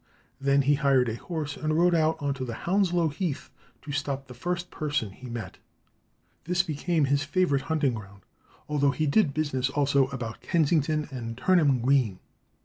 Then he hired a horse and rode out on to Hounslow Heath to stop the first person he met. This became his favourite hunting ground, although he did business also about Kensington and Turnham Green.